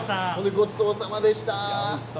ごちそうさまでした。